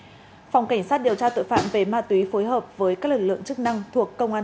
phòng cảnh sát điều tra tội phạm về ma túy phối hợp với các lực lượng chức năng thuộc công an